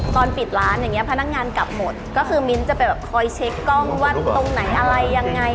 ตอนปิดร้านอย่างเงี้พนักงานกลับหมดก็คือมิ้นท์จะไปแบบคอยเช็คกล้องว่าตรงไหนอะไรยังไง